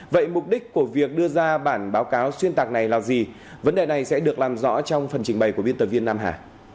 vậy mục đích của việc đưa ra bản báo cáo xuyên tạc này là gì vấn đề này sẽ được làm rõ trong phần trình bày của biên tập viên nam hà